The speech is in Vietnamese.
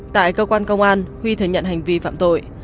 tại cơ quan công an huy thừa nhận hành vi phạm tội